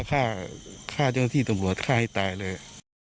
ฆ่าฆ่าเจ้าที่ตำรวจฆ่าให้ตายเลย